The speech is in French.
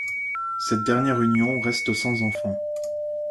Cette dernière union reste sans enfants.